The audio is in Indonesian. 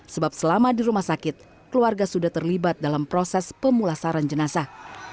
sebab selama di rumah sakit keluarga sudah terlibat dalam proses pemulasaran jenazah